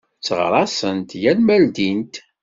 Tteɣraṣent yal ma ldint.